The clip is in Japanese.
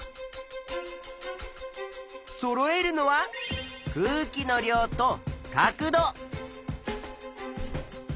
そろえるのは空気の量と角度。